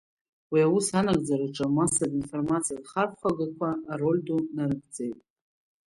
Уи аус анагӡараҿы амассатә-информациатә хархәагақәа ароль ду нарыгӡеит.